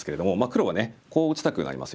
黒はねこう打ちたくなりますよね。